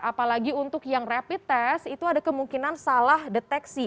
apalagi untuk yang rapid test itu ada kemungkinan salah deteksi